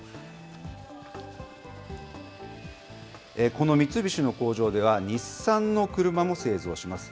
この三菱の工場では、日産の車も製造します。